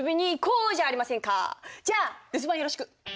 じゃあ留守番よろしく！